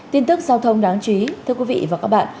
tin tức giao thông đáng chú ý thưa quý vị và các bạn